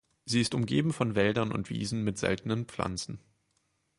Sie ist umgeben von Wäldern und Wiesen mit seltenen Pflanzen.